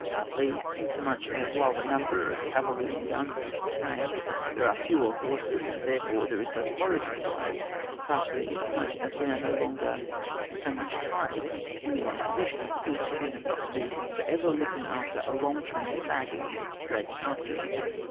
Partly, inasmuch as while the number of cavalrj and guns is the same, there are fewer horses, and therefore, there is less forage required ; partly, inasmuch as we are no longer so much tied to any one position, because we have not to be for ever looking after a long train of baggage dragging after us.